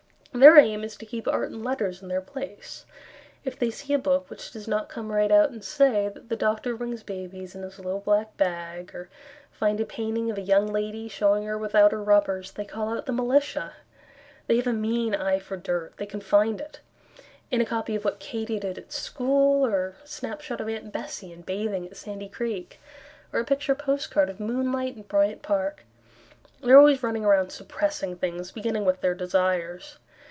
Their aim is to keep art and letters in their place; If they see a book Which does not come right out and say That the doctor brings babies in his little black bag, Or find a painting of a young lady Showing her without her rubbers, They call out the militia. They have a mean eye for dirt; They can find it In a copy of "What Katy Did at School," Or a snapshot of Aunt Bessie in bathing at Sandy Creek, Or a picture postcard of Moonlight in Bryant Park. They are always running around suppressing things, Beginning with their desires.